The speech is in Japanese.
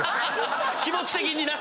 気持ち的にな！